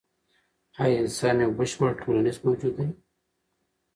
ایا انسان یو بشپړ ټولنیز موجود دی؟